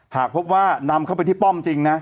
หากพบว่านำเข้าไปที่ป้อมจริงนะ